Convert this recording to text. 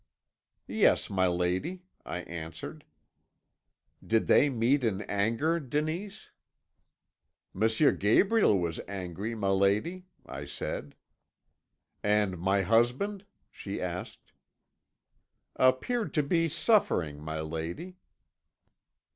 "'Yes, my lady,' I answered. "'Did they meet in anger, Denise?' "'M. Gabriel was angry, my lady,' I said. "'And my husband?' she asked. "'Appeared to be suffering, my lady.'